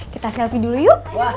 kita selfie dulu yuk